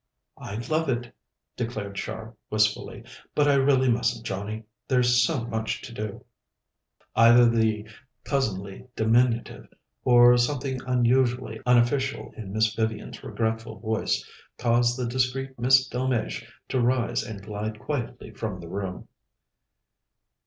"I'd love it," declared Char wistfully, "but I really mustn't, Johnnie. There's so much to do." Either the cousinly diminutive, or something unusually unofficial in Miss Vivian's regretful voice, caused the discreet Miss Delmege to rise and glide quietly from the room.